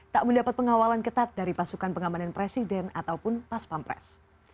tak mendapat pengawalan ketat dari pasukan pengamanan presiden ataupun pas pampres